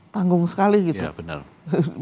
tanggung sekali gitu ya benar